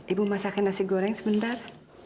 ibu masakin nasi goreng sebentar